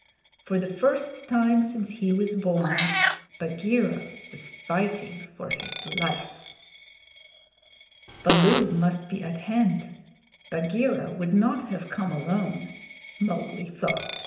For the first time since he was born, Bagheera was fighting for his life. "Baloo must be at hand; Bagheera would not have come alone," Mowgli thought.